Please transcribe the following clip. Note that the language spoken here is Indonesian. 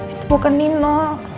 itu bukan nino